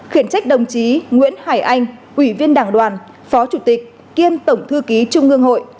khiển trách đồng chí nguyễn hải anh ủy viên đảng đoàn phó chủ tịch kiêm tổng thư ký trung ương hội